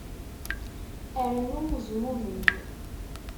Rnu zmummeg.